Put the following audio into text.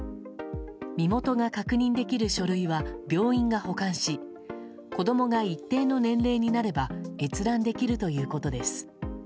身元が確認できる書類は病院が保管し子供が一定の年齢になれば閲覧できるということです。